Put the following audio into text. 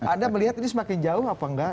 anda melihat ini semakin jauh apa enggak